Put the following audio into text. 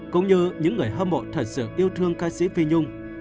cũng như những người hâm mộ thật sự yêu thương ca sĩ phi nhung